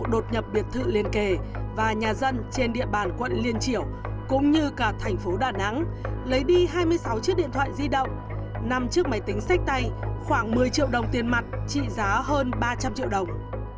đột nhập biệt thự liên kề và nhà dân trên địa bàn quận liên triểu cũng như cả thành phố đà nẵng lấy đi hai mươi sáu chiếc điện thoại di động năm chiếc máy tính sách tay khoảng một mươi triệu đồng tiền mặt trị giá hơn ba trăm linh triệu đồng